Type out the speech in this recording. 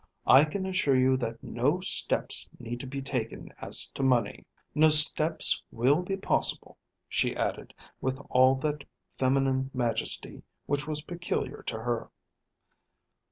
I can assure you that no steps need be taken as to money." "No steps will be possible," she added with all that feminine majesty which was peculiar to her.